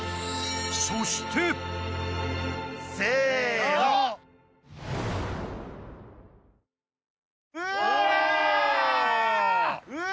そしてせのうわ！